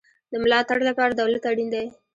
د ملاتړ لپاره دولت اړین دی